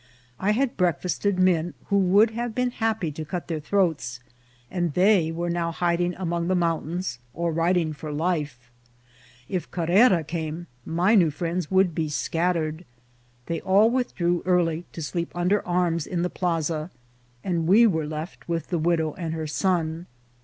I had breakfasted men who would have been happy to cut their throats, and they were now hiding among the mountains or riding for life. If Carrera came, my new friends would be scattered. They all withdrew early, to sleep under arms in the plaza, and we were left with the widow and her son.